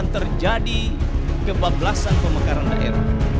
terjadi kebablasan pemekaran daerah